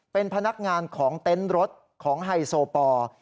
เป็นพนักงานของเต็นต์รถของไฮโซปอร์